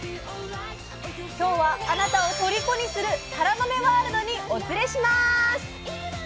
今日はあなたをとりこにするタラの芽ワールドにお連れします！